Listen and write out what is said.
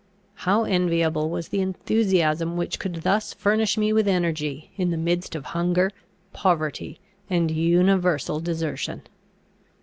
How enviable was the enthusiasm which could thus furnish me with energy, in the midst of hunger, poverty, and universal desertion!